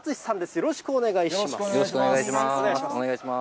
よろしくお願いします。